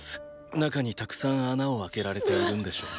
“中”にたくさん穴を開けられているんでしょうね。